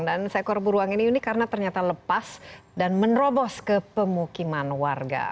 dan seekor beruang ini ini karena ternyata lepas dan menerobos ke pemukiman warga